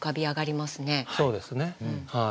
そうですね。